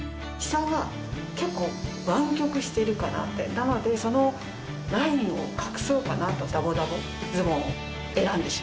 なのでそのラインを隠そうかなとダボダボズボンを選んでしまう。